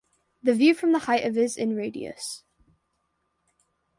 The view from the height of is in radius.